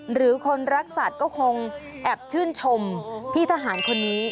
หรือคนรักสัตว์ก็คงแอบชื่นชมพี่ทหารคนนี้